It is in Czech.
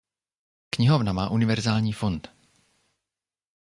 Knihovna má univerzální fond.